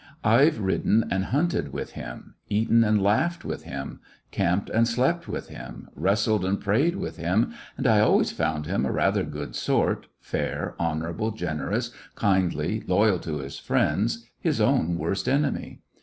I 've ridden and hunted with him, eaten and laughed with him, camped and slept with him, wrestled and prayed with him, and I always found him a rather good sort, fair, honorable, generous, kindly, loyal to his friends, his own worst enemy.